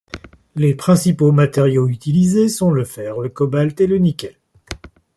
Les principaux matériaux utilisés sont le fer, le cobalt et le nickel.